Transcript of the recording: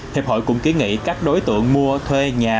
hiệp hội cũng kiến nghị các đối tượng mua thuê nhà